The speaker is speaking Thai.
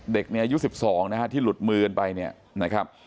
เด็กในอายุ๑๒นะฮะที่หลุดมือกันไปเนี่ยนะครับ